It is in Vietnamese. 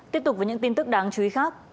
tiếp tục với những tin tức đáng chú ý khác